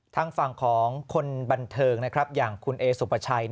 ทางฝั่งของคนบันเทิงนะครับอย่างคุณเอสุปชัย